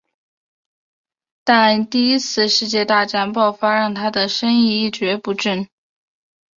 但第一次世界大战爆发让他的生意一蹶不振。